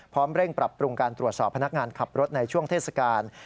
เร่งปรับปรุงการตรวจสอบพนักงานขับรถในช่วงเทศกาล